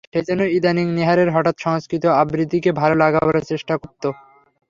সেইজন্য ইদানীং নীহারের হঠাৎ সংস্কৃত আবৃত্তিকে ভালো লাগাবার চেষ্টা করত।